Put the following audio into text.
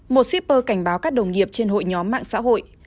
một shipper cảnh báo các đồng nghiệp trên hội nhóm mạng xã hội